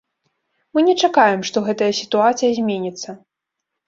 Мы не чакаем, што гэтая сітуацыя зменіцца.